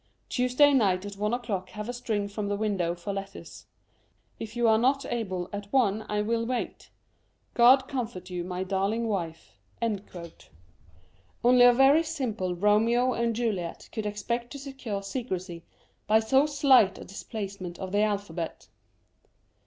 Tuesday night at one o'clock have a string from the window for letters. If you are not able at one I will wait. God comfort you, my darling wife." Only a very simple Romeo and Juliet could expect to secure secrecy by so slight a displacement of the alphabet.